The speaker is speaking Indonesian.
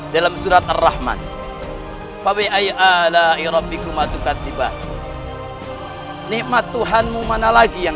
dalam surat ar rahman